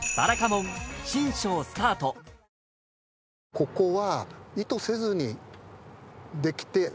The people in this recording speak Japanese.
ここは。